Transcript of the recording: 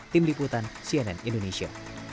tim liputan cnn indonesia